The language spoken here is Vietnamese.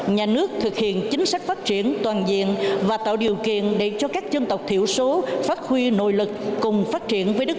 nhà nước thực hiện chính sách phát triển toàn diện và tạo điều kiện để cho các dân tộc thiểu số phát huy nội lực cùng phát triển